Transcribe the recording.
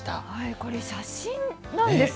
これ、写真なんですね。